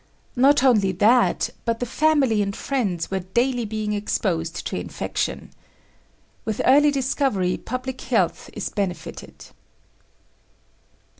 Not only that, but the family and friends were daily being exposed to infection. With early discovery public health is benefited.